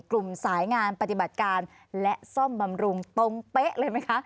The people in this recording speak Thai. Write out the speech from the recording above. กลุ่มสายงานปฏิบัติการและซ่อมบำรุงตรงเป๊ะเลยไหมคะ